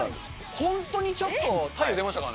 本当にちょっと、太陽出ましたからね。